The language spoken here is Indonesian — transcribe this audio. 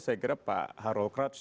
saya kira pak harold krauts